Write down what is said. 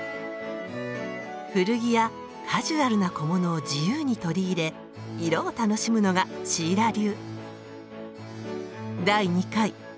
古着やカジュアルな小物を自由に取り入れ色を楽しむのがシーラ流。